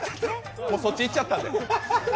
もうそっちいっちゃったんで。